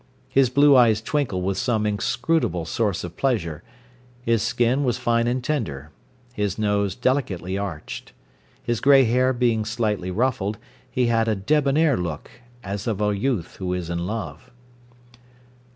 His blue eyes twinkled with some inscrutable source of pleasure, his skin was fine and tender, his nose delicately arched. His grey hair being slightly ruffled, he had a debonnair look, as of a youth who is in love.